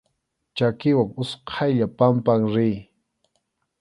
Chakiwan utqaylla pampan riy.